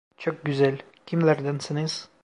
Çok güzel, kimlerdensiniz?